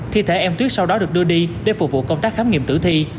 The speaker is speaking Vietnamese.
thi thể em tuyết sau đó được đưa đi để phục vụ công tác khám nghiệm tử thi